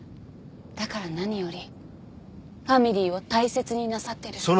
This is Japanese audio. だから何よりファミリーを大切になさってる。